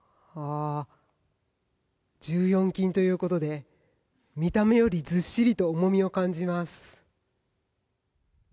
１４金ということで見た目よりずっしりと重みを感じます。